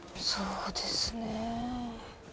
そうですねえ。